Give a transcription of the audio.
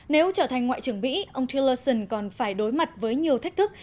nếu trở thành ngoại trưởng mỹ ông chelleron còn phải đối mặt với nhiều thách thức